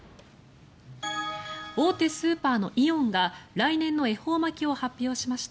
大手スーパーのイオンが来年の恵方巻きを発表しました。